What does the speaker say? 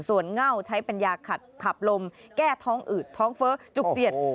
ส่วนเง่าใช้เป็นยาขัดลมแก้ท้องอืดท้องเฟ้อจุกเสียด